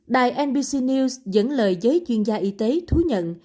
đài nbc news dẫn lời giới chuyên gia y tế thú nhận